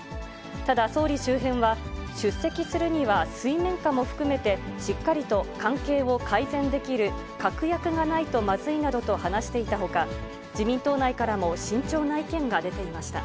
ただ総理周辺は、出席するには水面下も含めて、しっかりと関係を改善できる確約がないとまずいなどと話していたほか、自民党内からも慎重な意見が出ていました。